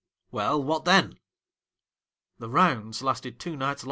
—' Well, what then ?'' The " rounds " lasted two nights longer.